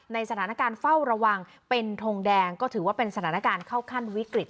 สถานการณ์เฝ้าระวังเป็นทงแดงก็ถือว่าเป็นสถานการณ์เข้าขั้นวิกฤต